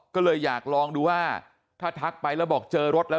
ก็เลยอยากลองดูว่าถ้าทักไปแล้วบอกเจอรถแล้ว